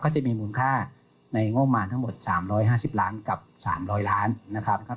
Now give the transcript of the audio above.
จะมีมูลค่าในงบมารทั้งหมด๓๕๐ล้านกับ๓๐๐ล้านนะครับ